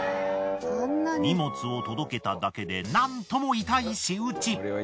荷物を届けただけでなんとも痛い仕打ち。